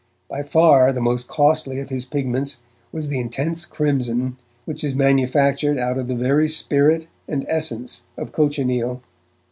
By far the most costly of his pigments was the intense crimson which is manufactured out of the very spirit and, essence of cochineal.